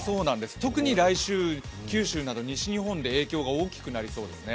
特に来週、九州など西日本で影響が大きくなりそうですね。